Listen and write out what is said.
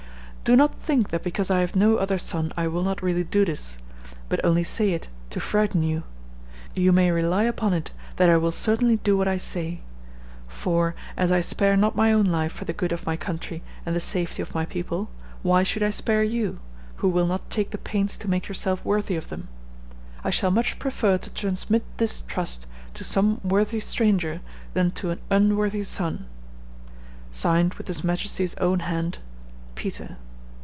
"Do not think that because I have no other son I will not really do this, but only say it to frighten you. You may rely upon it that I will certainly do what I say; for, as I spare not my own life for the good of my country and the safety of my people, why should I spare you, who will not take the pains to make yourself worthy of them? I shall much prefer to transmit this trust to some worthy stranger than to an unworthy son. "(Signed with his majesty's own hand), "PETER."